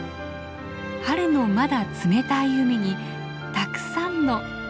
春のまだ冷たい海にたくさんのたくましい